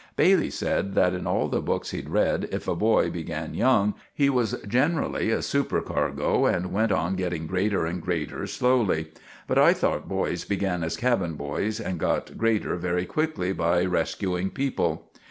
Bailey said that in the books he'd read, if a boy began young, he was generally a super cargo and went on getting grater and grater slowly; but I thort boys began as cabin boys and got grater very quickly by resquing people.